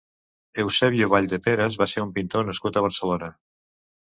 Eusebio Valldeperas va ser un pintor nascut a Barcelona.